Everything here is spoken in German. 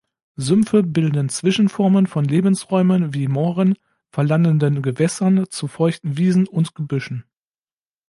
Sümpfe bilden Zwischenformen von Lebensräumen wie Mooren, verlandenden Gewässern, zu feuchten Wiesen und Gebüschen.